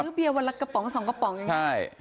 ซื้อเบียวันละกระป๋อง๒กระป๋องใช่